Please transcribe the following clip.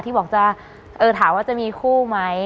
ที่หาว่าจะมีคู่ไหม